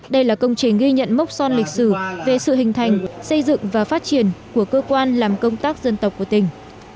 đây là công trình ghi nhận mốc son lịch sử về sự hình thành xây dựng và phát triển của cơ quan làm công tác dân tộc của tỉnh